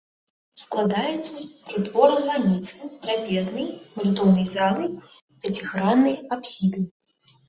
Складаецца з прытвора-званіцы, трапезнай, малітоўнай залы, пяціграннай апсіды.